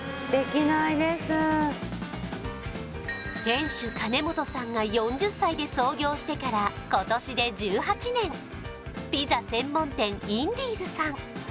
店主金元さんが４０歳で創業してから今年で１８年ピザ専門店インディーズさん